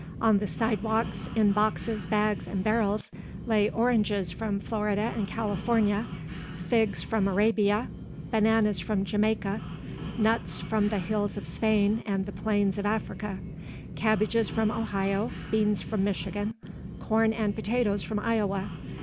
On the sidewalks in boxes, bags, and barrels, lay oranges from Florida and California, figs from Arabia, bananas from Jamaica, nuts from the hills of Spain and the plains of Africa, cabbages from Ohio, beans from Michigan, corn and potatoes from Iowa.